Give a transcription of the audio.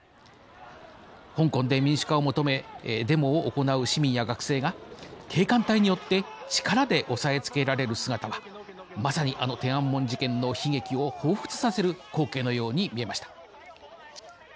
香港で民主化を求めデモを行う市民や学生が警官隊によって力で抑えつけられる姿はまさにあの天安門事件の悲劇をほうふつさせる光景のように見えました。